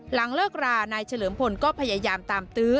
หลังเลิกรานายเฉลิมพลก็พยายามตามตื้อ